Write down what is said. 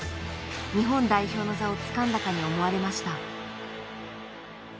日本代表の座をつかんだかに思われました。